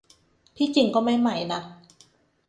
ที่จริงก็ไม่ใหม่นัก